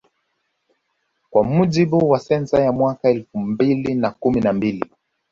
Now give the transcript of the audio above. Kwa mujibu wa sensa ya mwaka elfu mbili na kumi na mbili